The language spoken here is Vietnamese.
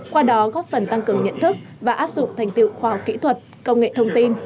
qua đó góp phần tăng cường nhận thức và áp dụng thành tiệu khoa học kỹ thuật công nghệ thông tin